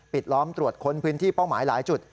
ล้อมตรวจค้นพื้นที่เป้าหมายหลายจุด